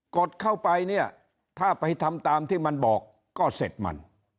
ดเข้าไปเนี่ยถ้าไปทำตามที่มันบอกก็เสร็จมัน